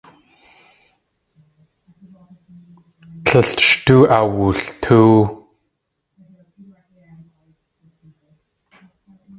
Tlél sh tóo awultóow.